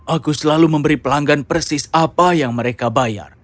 aku selalu memberi pelanggan persis apa yang mereka bayar